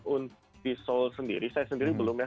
untuk di seoul sendiri saya sendiri belum ya